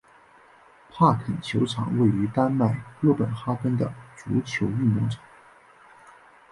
帕肯球场位于丹麦哥本哈根的足球运动场。